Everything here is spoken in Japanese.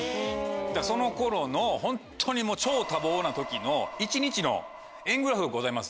その頃のホントに超多忙な時の１日の円グラフがございます。